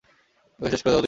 ওকে শেষ করে দাও, ইউতা!